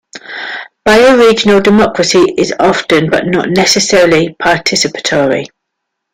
Bioregional democracy is often but not necessarily participatory.